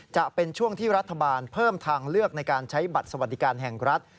จะเป็นช่วงที่รัฐบาลเพิ่มทางเลือกในการใช้บัตรสวัสดิการแห่งรัฐ